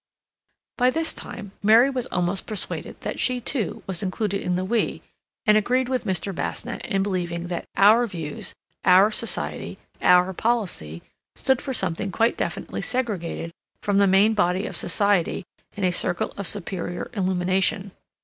By this time Mary was almost persuaded that she, too, was included in the "we," and agreed with Mr. Basnett in believing that "our" views, "our" society, "our" policy, stood for something quite definitely segregated from the main body of society in a circle of superior illumination.